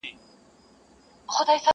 o نېکي زوال نه لري!